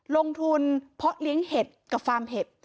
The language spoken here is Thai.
เพาะเลี้ยงเห็ดกับฟาร์มเห็ด